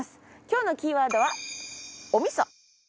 今日のキーワードはおみそ。